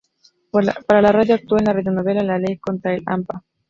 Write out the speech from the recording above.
Para la radio actuó en la radionovela "La ley contra el hampa".